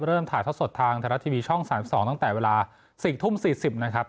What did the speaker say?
ถ่ายท่อสดทางไทยรัฐทีวีช่อง๓๒ตั้งแต่เวลา๔ทุ่ม๔๐นะครับ